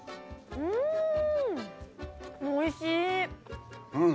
うんおいしい。